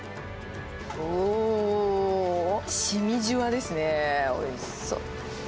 おー、しみじゅわですね、おいしそう。